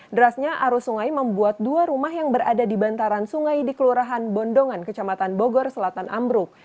derasnya arus sungai membuat dua rumah yang berada di bantaran sungai di kelurahan bondongan kecamatan bogor selatan ambruk